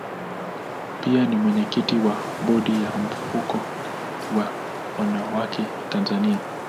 Pia ni mwenyekiti wa bodi ya mfuko wa wanawake Tanzania.